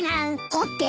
ＯＫ！